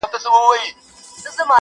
• شکرباسي په قانع وي او خندیږي -